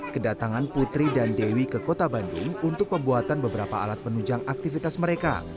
kedatangan putri dan dewi ke kota bandung untuk pembuatan beberapa alat penunjang aktivitas mereka